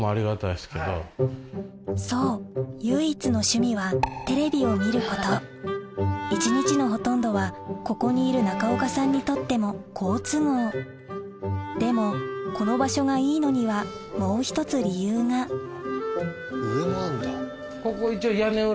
そう唯一の趣味はテレビを見ること一日のほとんどはここにいる中岡さんにとっても好都合でもこの場所がいいのにはもう１つ理由が上もあるんだ。